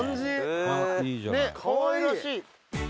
「ねっかわいらしい」